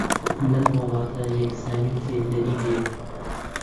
لەم وڵاتە یەکسانیی جێندەری هەیە.